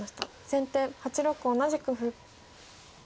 先手８六同じく歩。